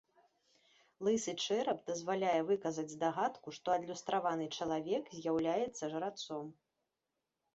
Лысы чэрап дазваляе выказаць здагадку, што адлюстраваны чалавек з'яўляецца жрацом.